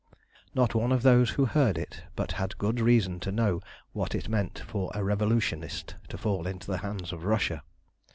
Not one of those who heard it but had good reason to know what it meant for a revolutionist to fall into the hands of Russia.